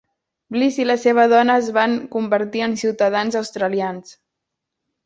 Bliss i la seva dona es van convertir en ciutadans australians.